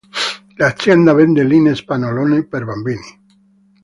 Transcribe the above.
L'azienda vende Lines Pannolini per bambini.